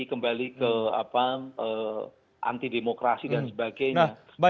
kembali ke anti demokrasi dan sebagainya